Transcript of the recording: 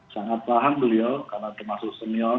sangat paham beliau karena termasuk senior